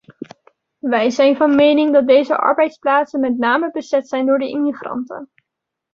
Wij zijn van mening dat deze arbeidsplaatsen met name bezet zijn door de immigranten.